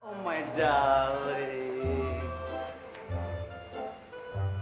oh my darling